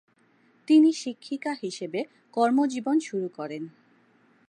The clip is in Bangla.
তিনি শিক্ষিকা হিসেবে কর্মজীবন শুরু করেন।